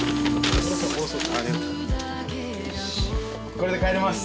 これで帰れます。